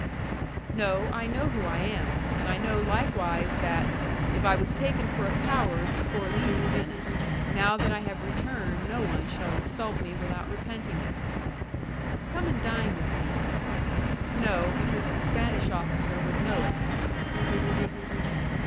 "No, I know who I am; and I know likewise that, if I was taken for a coward before leaving Venice, now that I have returned no one shall insult me without repenting it." "Come and dine with me." "No, because the Spanish officer would know it."